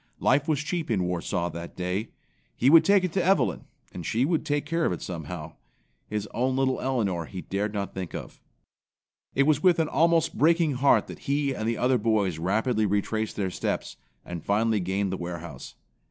Life was cheap in Warsaw that day. He would take it to Evelyn and she would take care of it somehow. His own little Elinor he dared not think of. It was with an almost breaking heart that he and the other boys rapidly retraced their steps and finally gained the warehouse.